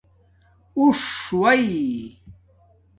اݸݽ وݺی